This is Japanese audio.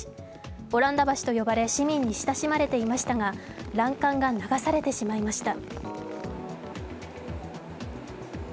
オランダ橋と呼ばれ市民に親しまれていましたが欄干が流されてしまいました。